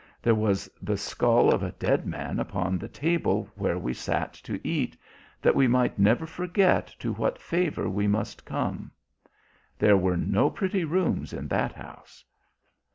There was the skull of a dead man upon the table where we sat to eat, that we might never forget to what favour we must come. There were no pretty rooms in that house."